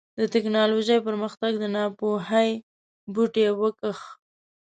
د ټيکنالوژۍ پرمختګ د ناپوهۍ بوټی وکېښ.